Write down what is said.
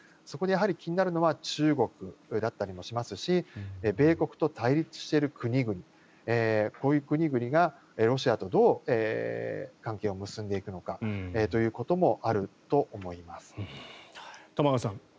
そこでやはり気になるのは中国だったりもしますし米国と対立している国々そういう国々がロシアとどう関係を結んでいくのかということもあると思います。